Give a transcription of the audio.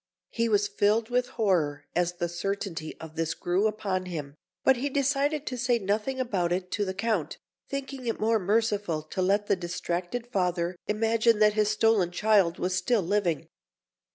He was filled with horror as the certainty of this grew upon him, but he decided to say nothing about it to the Count, thinking it more merciful to let the distracted father imagine that his stolen child was still living.